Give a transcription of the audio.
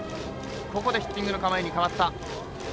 ここでヒッティングの構えに変わった。